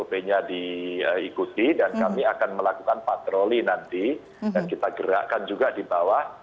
pp nya diikuti dan kami akan melakukan patroli nanti dan kita gerakkan juga di bawah